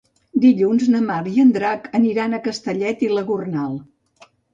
Dilluns na Mar i en Drac aniran a Castellet i la Gornal.